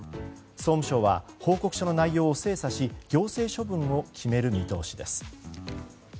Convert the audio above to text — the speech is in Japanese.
総務省は報告書の内容を精査し行政処分を決める見通しです。